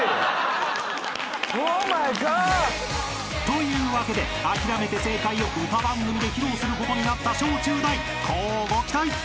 ［というわけで『諦めて正解』を歌番組で披露することになった小中大乞うご期待］